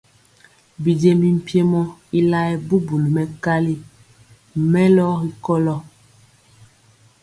Bijiémbi mpiemɔ y laɛɛ bubuli mɛkali mɛlɔ ri kolo.